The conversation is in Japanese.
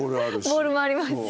ボウルもありますし。